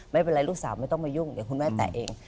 ไม่เป็นไรลูกสาวไม่ต้องมายุ่งเดี๋ยวคุณแม่แตะเอง